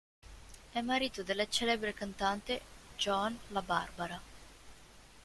È marito della celebre cantante Joan La Barbara.